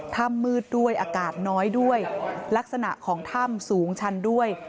มืดด้วยอากาศน้อยด้วยลักษณะของถ้ำสูงชันด้วย